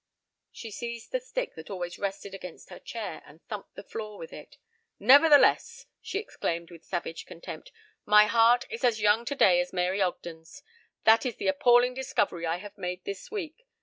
She seized the stick that always rested against her chair and thumped the floor with it. "Nevertheless," she exclaimed with savage contempt, "my heart is as young today as Mary Ogden's. That is the appalling discovery I have made this week.